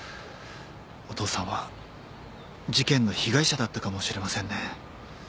お父さんは事件の被害者だったかもしれませんね。